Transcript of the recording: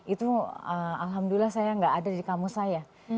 itu alhamdulillah saya nggak ada di kamus saya